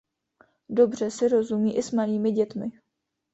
Dobře si rozumí i s malými dětmi.